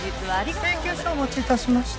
請求書をお持ち致しました。